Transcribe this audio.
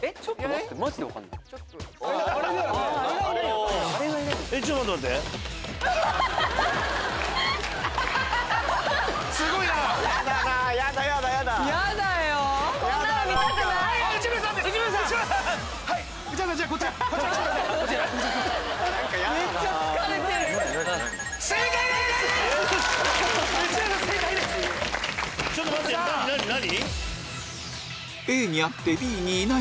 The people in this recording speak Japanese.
ちょっと待って何？